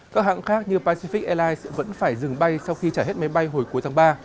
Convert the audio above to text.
các hãng khác như pacific airlines vẫn phải dừng bay sau khi trả hết máy bay hồi cuối tháng ba